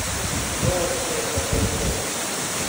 Oh Say Can You Say?